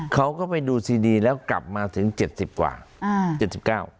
เขาก็ไปดูซีดีแล้วกลับมาถึงเจ็ดสิบกว่าอ่าเจ็ดสิบเก้า